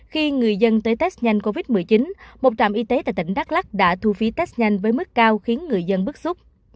khi người dân tới test nhanh covid một mươi chín một trạm y tế tại tỉnh đắk lắc đã thu phí test nhanh với mức cao khiến người dân bức xúc